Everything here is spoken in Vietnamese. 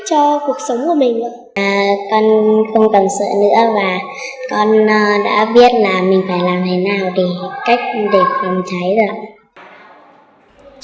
con không cần sợ nữa và con đã biết là mình phải làm thế nào để phòng tránh